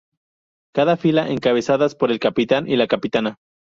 Cada fila encabezadas por el capitán y la capitana.